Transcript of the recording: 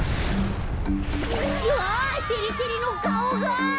わてれてれのかおが！